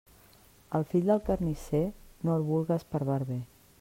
El fill del carnisser no el vulgues per barber.